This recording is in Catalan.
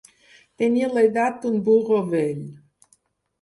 Tenir l'edat d'un burro vell.